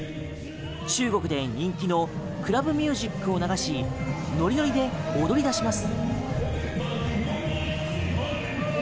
中国で人気のクラブミュージックを流しノリノリで踊り出します。